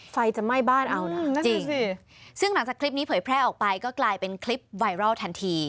ไฟจะไหม้บ้านเอานะจริงสิซึ่งหลังจากคลิปนี้เผยแพร่ออกไปก็กลายเป็นคลิปไวรัลทันที